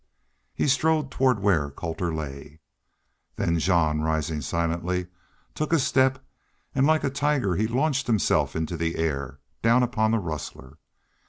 He strode toward where Colter lay. Then Jean, rising silently, took a step and like a tiger he launched himself into the air, down upon the rustler.